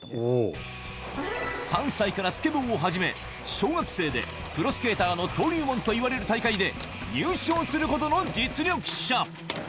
３歳からスケボーを始め小学生でプロスケーターの登竜門といわれる大会で優勝するほどの実力者